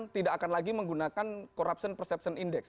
tidak akan lagi menggunakan corruption perception index